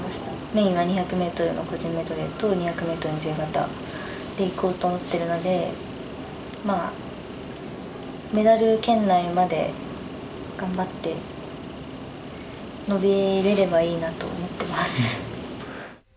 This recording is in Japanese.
メインは２００ｍの個人メドレーと２００ｍの自由形でいこうと思っているのでメダル圏内まで頑張って伸びれればいいなと思ってます。